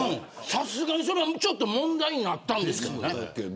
さすがに、それは問題になったんですけどね。